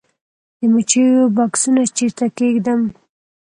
د مچیو بکسونه چیرته کیږدم؟